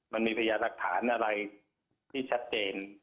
มันมีพยานหลักฐานอะไรที่ชัดเจน